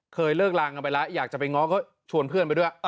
เคยเลิกลากันไปแล้วอยากจะไปง้อก็ชวนเพื่อนไปด้วย